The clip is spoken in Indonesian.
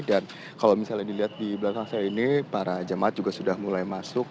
dan kalau misalnya dilihat di belakang saya ini para jemaat juga sudah mulai masuk